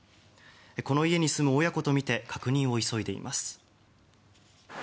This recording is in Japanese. この家に住む親子とみて確認を急いでいます。